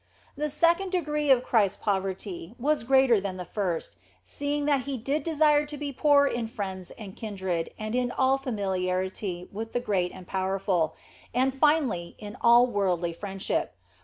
The second degree of Christ s poverty was greater than the first, seeing that He did desire to be poor in friends and kindred and in all familiarity with the great and powerful, and finally in all worldly friendship.